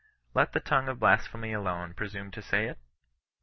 Let the tongue of blasphemy alone presume to say it